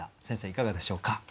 先生いかがでしょうか？